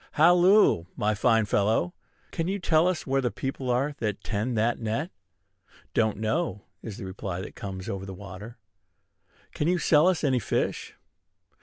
"Halloo, my fine fellow! Can you tell us where the people are that tend that net?" "Don't know," is the reply that comes over the water. "Can you sell us any fish?"